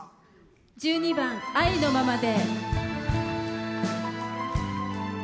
１２番「愛のままで」。